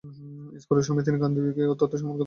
স্কুলের সময়ে তিনি গান্ধীকে অত্যন্ত সম্মান করতেন।